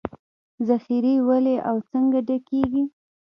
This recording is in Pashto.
ذخیرې ولې او څنګه ډکېږي